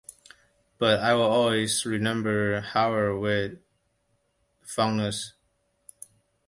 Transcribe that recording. But I'll always remember Howard with fondness.